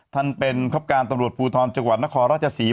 ท่านเป็นครับการตำรวจภูทรจังหวัดนครราชศรี